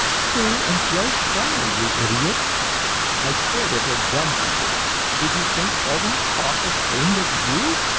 "Sue and Joe Kramer, you idiot." I stared at her dumfounded. "Did you think all that talk was aimed at you?"